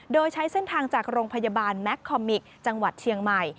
โดยใช้เส้นทางจากโรงพยาบาลแมคคอมมิกจังหวัดเชียงใหม่